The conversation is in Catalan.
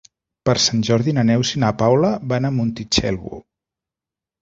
Per Sant Jordi na Neus i na Paula van a Montitxelvo.